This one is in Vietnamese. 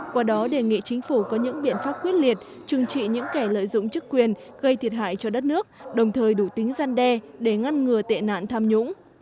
qua đó đề nghị chính phủ có những biện pháp quyết liệt trừng trị những kẻ lợi dụng chức quyền gây thiệt hại cho đất nước đồng thời đủ tính gian đe để ngăn ngừa tệ nạn tham nhũng